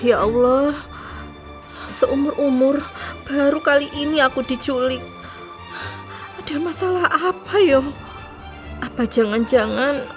ya allah seumur umur baru kali ini aku diculik ada masalah apa ya apa jangan jangan